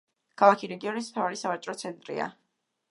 ქალაქი რეგიონის მთავარი სავაჭრო ცენტრია.